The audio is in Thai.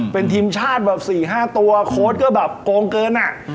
เป็นทีมชาติแบบ๔๕ตัวโค้ดก็แบบโกงเกินอ่ะ